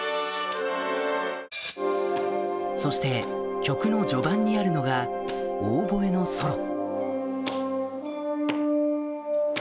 そして曲の序盤にあるのがオーボエのソロ